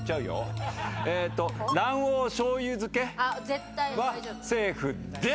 卵黄醤油漬けはセーフです。